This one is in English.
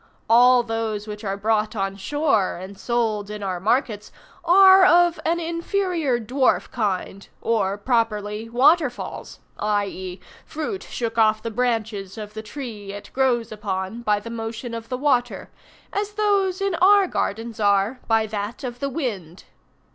All those which are brought on shore and sold in our markets are of an inferior dwarf kind, or, properly, waterfalls, i.e., fruit shook off the branches of the tree it grows upon by the motion of the water, as those in our gardens are by that of the wind!